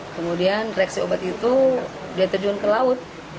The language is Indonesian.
kemudian reaksi obat itu dia terjun ke laut